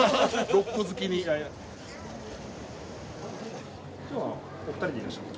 ロック好きに今日はお二人でいらっしゃった？